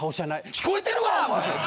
聞こえてるわ！